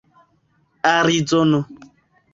arizono